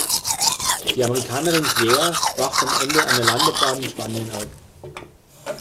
Die Amerikanerin Claire wacht am Ende einer Landebahn in Spanien auf.